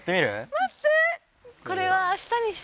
待って！